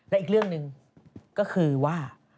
และอีกเรื่องหนึ่งก็คือว่า